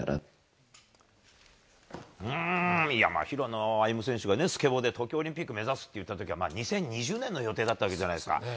平野歩夢選手がスケボーで東京オリンピック目指すと言った時は２０２０年の予定だったわけじゃないですか。